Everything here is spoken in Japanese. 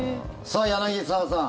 さあ、柳澤さん